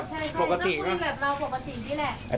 ชื่อแบบเราปกตินี่แหละ